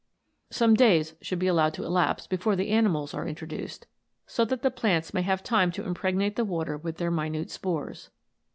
Some days should be allowed to elapse before the animals are introduced, so that the plants may have time to impregnate the water with their minute spores.